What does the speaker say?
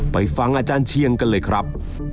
ไปฟังอาจารย์เชียงกันเลยครับ